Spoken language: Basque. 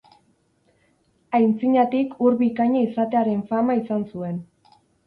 Aintzinatik ur bikaina izatearen fama izan zuen.